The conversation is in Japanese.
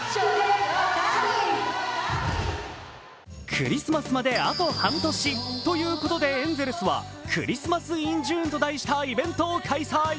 クリスマスまであと半年ということで、エンゼルスは「クリスマス・イン・ジューン」と題したイベントを開催。